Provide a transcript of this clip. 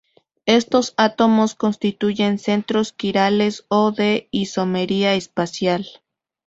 Estos átomos constituyen centros quirales o de isomería espacial.